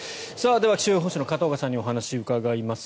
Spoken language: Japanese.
では、気象予報士の片岡さんにお話を伺います。